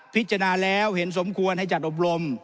พิจารณาแล้วเห็นสมควรให้จัดอบรม